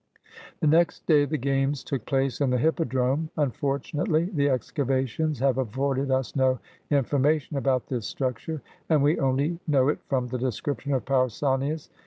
The next day the games took place in the hippo drome. Unfortunately, the excavations have afforded us no information about this structure, and we only know it from the description of Pausanias.